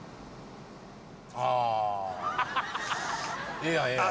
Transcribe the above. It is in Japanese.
ええやんええやん。